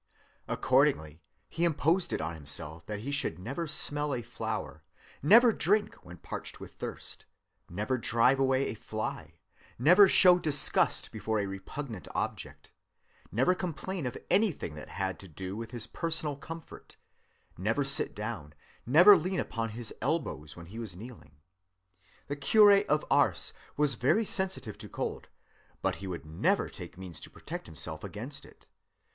Accordingly he imposed it on himself that he should never smell a flower, never drink when parched with thirst, never drive away a fly, never show disgust before a repugnant object, never complain of anything that had to do with his personal comfort, never sit down, never lean upon his elbows when he was kneeling. The Curé of Ars was very sensitive to cold, but he would never take means to protect himself against it.